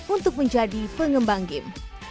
untuk menjadi pengembang game